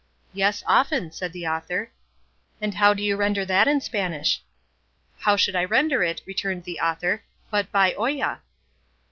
"Yes, often," said the author. "And how do you render that in Spanish?" "How should I render it," returned the author, "but by olla?"